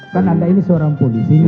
kan anda ini seorang polisi